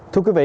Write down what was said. thưa quý vị